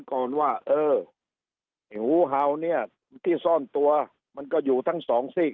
ก่อนว่าเออไอ้หูเห่าเนี่ยที่ซ่อนตัวมันก็อยู่ทั้งสองซีก